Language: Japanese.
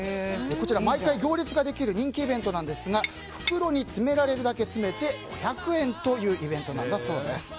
こちら、毎回行列ができる人気イベントなんですが袋に詰められるだけ詰めて５００円というイベントなんだそうです。